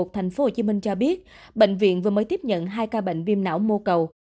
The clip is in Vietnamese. tp hcm cho biết bệnh viện vừa mới tiếp nhận hai ca bệnh viêm não mô cầu